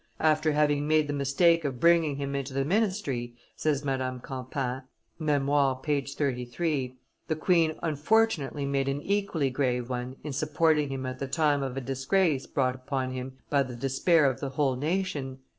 "After having made the mistake of bringing him into the ministry," says Madame Campan [Memoires, t. i. p. 33], "the queen unfortunately made an equally grave one in supporting him at the time of a disgrace brought upon him by the despair of the whole nation.